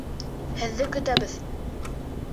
Һеҙҙе көтәбеҙ.